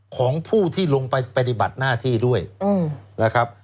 ของผู้ที่ลงไปปฏิบัติหน้าที่ด้วยนะครับ